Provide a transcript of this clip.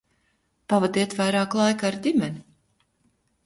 Pavadiet vairāk laika ar ģimeni!